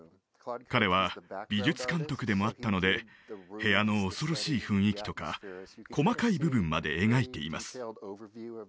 彼は美術監督でもあったので部屋の恐ろしい雰囲気とか細かい部分まで描いています